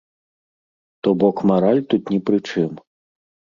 То бок мараль тут ні пры чым.